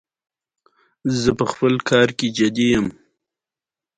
آیا دا شربت په ټوله نړۍ کې نه خوړل کیږي؟